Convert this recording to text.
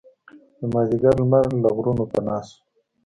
د مازدیګر لمر له غرونو پناه شو.